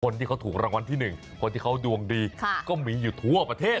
คนที่เขาถูกรางวัลที่๑คนที่เขาดวงดีก็มีอยู่ทั่วประเทศ